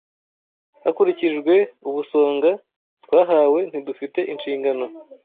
Hakurikijwe ubusonga twahawe, ntidufite inshingano